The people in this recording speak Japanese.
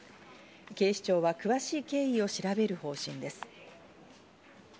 警視庁は詳しい経緯を調べる方針です。